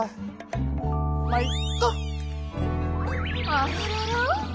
あららら！？